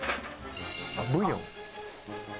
ブイヨン？